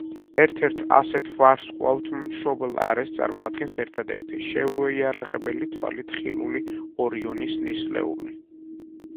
ერთ-ერთ ასეთ ვარსკვლავთ მშობელ არეს წარმოადგენს, ერთადერთი, შეუიარაღებელი თვალით ხილული, ორიონის ნისლეული.